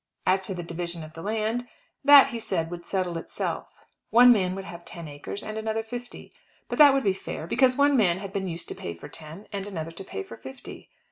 As to the division of the land, that he said would settle itself. One man would have ten acres, and another fifty; but that would be fair, because one man had been used to pay for ten, and another to pay for fifty.